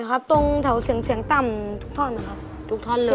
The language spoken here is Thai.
วางไว้บ้วนผ่าน